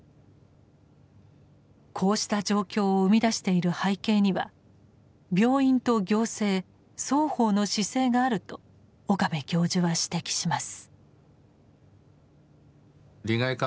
こうした状況を生み出している背景には病院と行政双方の姿勢があると岡部教授は指摘します。